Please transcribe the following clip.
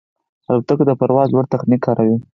الوتکه د پرواز لوړ تخنیک کاروي.